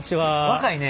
若いね。